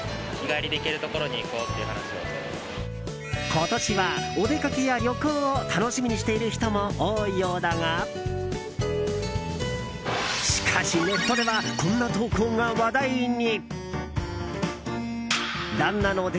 今年は、お出かけや旅行を楽しみにしている人も多いようだがしかし、ネットではこんな投稿が話題に。